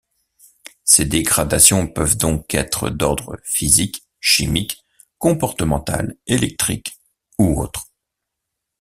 Ces dégradations peuvent donc être d’ordre physique, chimique, comportemental, électrique ou autre.